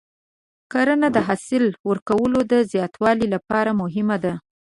کرنه د حاصل ورکولو د زیاتوالي لپاره مهمه ده.